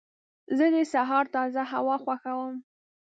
زه د سهار تازه هوا خوښوم.